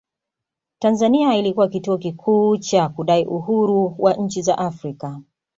Tanzania ilikuwa kituo kikuu cha kudai uhuru wa nchi za Afrika